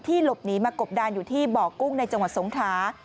ที่หลบนี้มากบดานอยู่ที่เบาะกุ้งในจังหวัดสงท้า